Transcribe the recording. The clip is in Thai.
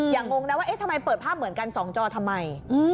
งงนะว่าเอ๊ะทำไมเปิดภาพเหมือนกัน๒จอทำไม